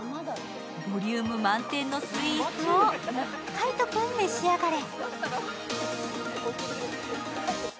ボリューム満点のスイーツを海音君、召し上がれ。